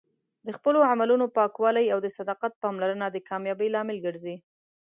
د خپلو عملونو پاکوالی او د صداقت پاملرنه د کامیابۍ لامل ګرځي.